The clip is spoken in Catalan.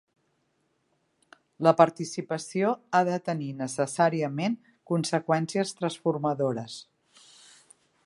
La participació ha de tenir necessàriament conseqüències transformadores.